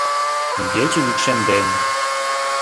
— Игече йӱкшемден...